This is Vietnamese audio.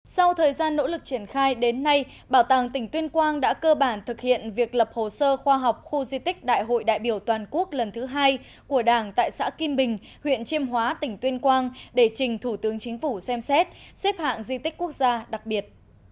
sau thời gian nỗ lực triển khai đến nay bảo tàng tỉnh tuyên quang đã cơ bản thực hiện việc lập hồ sơ khoa học khu di tích đại hội đại biểu toàn quốc lần thứ hai của đảng tại xã kim bình huyện chiêm hóa tỉnh tuyên quang để trình thủ tướng chính phủ xem xét xếp hạng di tích quốc gia đặc biệt